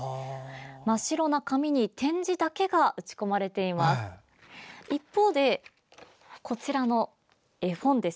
真っ白な紙に点字だけが打ち込まれています。